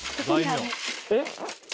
えっ？